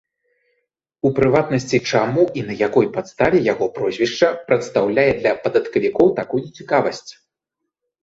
У прыватнасці, чаму і на якой падставе яго прозвішча прадстаўляе для падаткавікоў такую цікавасць.